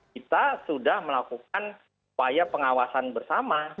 kita sudah melakukan upaya pengawasan bersama